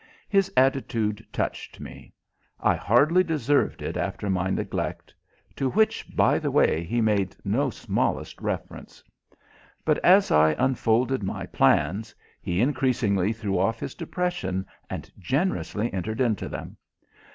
His attitude touched me. I hardly deserved it after my neglect to which, by the way, he made no smallest reference. But as I unfolded my plans, he increasingly threw off his depression and generously entered into them.